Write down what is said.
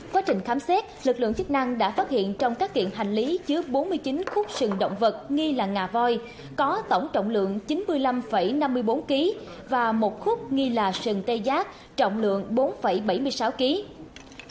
quá trình khám xét lực lượng chức năng đã phát hiện trong các kiện hành lý chứa bốn mươi chín khúc sừng động vật nghi là ngà voi có tổng trọng lượng chín mươi năm năm mươi bốn kg và một khúc nghi là sừng tê giác trọng lượng bốn bảy mươi sáu kg